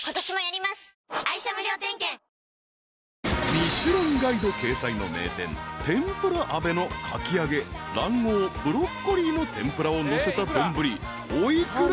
［『ミシュランガイド』掲載の名店天ぷら阿部のかき揚げ卵黄ブロッコリーの天ぷらをのせた丼お幾ら？］